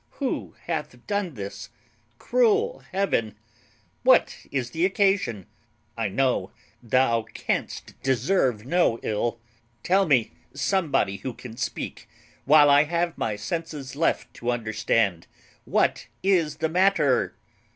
Who hath done this? Cruel Heaven! What is the occasion? I know thou canst deserve no ill. Tell me, somebody who can speak, while I have my senses left to understand, what is the matter?"